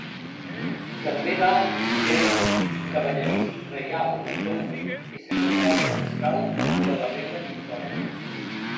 També va ser cavallerís reial major i secretari mariscal de la reina Victòria.